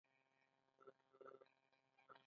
ایا زه باید په موټر کې سفر وکړم؟